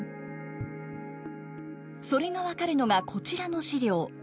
それが分かるのがこちらの資料。